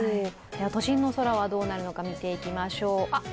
都心の空はどうなるのか見ていきましょう。